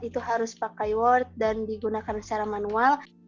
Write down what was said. kita harus menggunakan keyword dan digunakan secara manual